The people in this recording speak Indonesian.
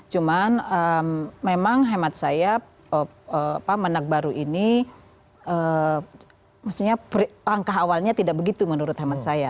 cuman memang hemat saya menakbaru ini langkah awalnya tidak begitu menurut hemat saya